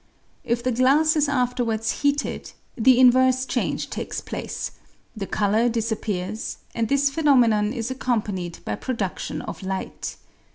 If the glass is afterwards heated, the inverse change takes place, the colour dis appears, and this phenomenon is accompanied by pro dudion of light.